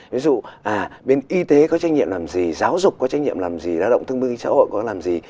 ví dụ bên y tế có trách nhiệm làm gì giáo dục có trách nhiệm làm gì lao động thương minh xã hội có làm gì